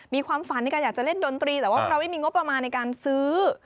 มีความฝันในการอยากจะเล่นดนตรีแต่ว่าเราไม่มีงบประมาณในการซื้อ